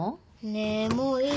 ねえもういい？